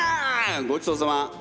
ごちそうさま。